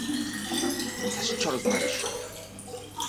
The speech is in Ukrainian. Це ж чорт знає що?